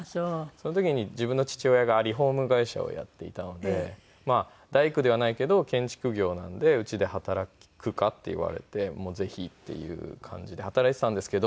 その時に自分の父親がリフォーム会社をやっていたのでまあ大工ではないけど建築業なんで「うちで働くか？」って言われてもうぜひっていう感じで働いていたんですけど。